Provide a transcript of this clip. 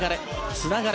つながれ！